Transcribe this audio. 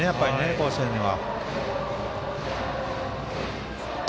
甲子園には。